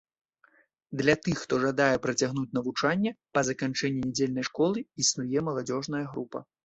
Для тых, хто жадае працягнуць навучанне па заканчэнні нядзельнай школы, існуе маладзёжная група.